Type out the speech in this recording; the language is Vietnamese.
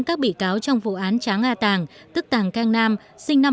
các bị cáo trong vụ án tráng a tàng tức tàng cang nam sinh năm một nghìn chín trăm tám mươi